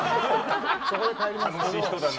そこで帰ります。